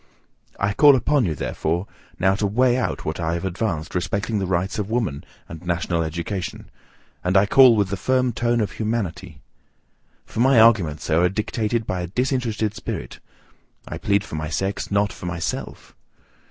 I call upon you, therefore, now to weigh what I have advanced respecting the rights of woman, and national education; and I call with the firm tone of humanity. For my arguments, sir, are dictated by a disinterested spirit: I plead for my sex, not for myself.